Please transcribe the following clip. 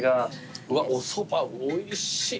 うわおそばおいしい。